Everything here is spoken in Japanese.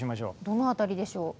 どの辺りでしょう。